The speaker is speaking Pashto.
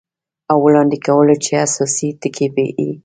او وړاندې کولو چې اساسي ټکي یې